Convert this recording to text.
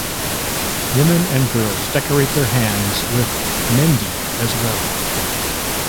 Women and girls decorate their hands with mehndi as well.